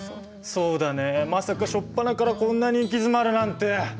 そうだねまさか初っぱなからこんなに行き詰まるなんて。